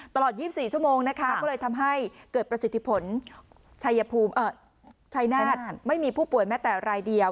ตลอด๒๔ชั่วโมงนะคะก็เลยทำให้เกิดประสิทธิผลชัยภูมิชัยนาฏไม่มีผู้ป่วยแม้แต่รายเดียว